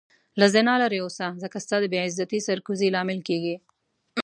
له زنا لرې اوسه ځکه ستا د بی عزتي سر کوزي لامل کيږې